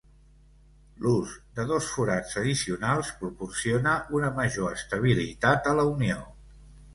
L'ús de dos forats addicionals proporciona una major estabilitat a la unió.